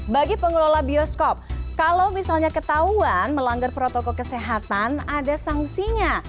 bagi pengelola bioskop kalau misalnya ketahuan melanggar protokol kesehatan ada sanksinya